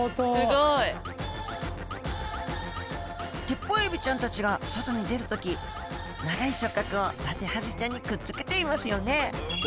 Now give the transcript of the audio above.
テッポウエビちゃんたちが外に出るとき長い触覚をダテハゼちゃんにくっつけていますよね。